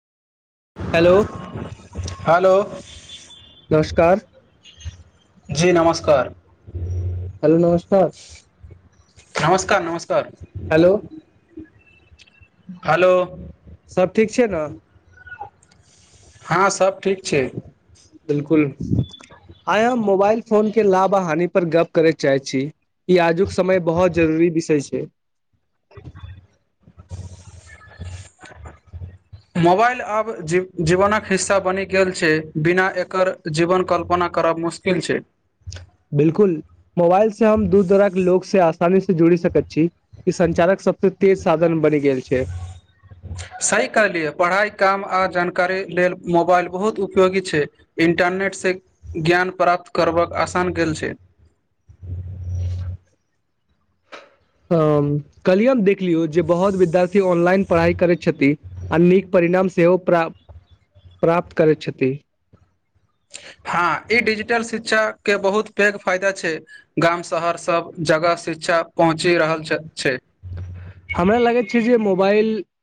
Hello. Hello नमस्कार। जी नमस्कार। हेलो नमस्कार। नमस्कार नमस्कार हेलो हेलो। सब ठीक छै न। हाँ सब ठीक छै। बिल्कुल। आय हम मोबाइल फोन के लाभ आ हानि पर गप्प करै चाहै छी। ई आजुक समय बहुत जरूरी विषय छै। [inaudible] मोबाइल आब जीवनक हिस्सा बनि गेल छै बिना एकर जीवन कल्पना करब मुश्किल किल छै- बिल्कुल मोबाइल से हम दू तरहके लोग से आसानी से जुड़ि सकत छी ई संचालक सब से तेज साधन बनि गेल छै सही कहलियै पढ़ाइ काम आ जानकारी लेल मोबाइल बहुत उपयोगी छै। इंटरनेटसँ ज्ञान प्राप्त करबक आसान गेल छै [inaudible] हम कल्हि हम देख लियौ जे बहुत विद्यार्थी ऑनलाइन पढ़ाइ करैत छथि आ नीक परिणाम सेहो। प्राप प्राप्त करै छति हँ ई डिजिटल शिक्षा के बहुत पैग फायदा छै। गाम शहर सब जगह शिक्षा पहुँची रहल छै हमरा लागैत छै जे मोबाइल।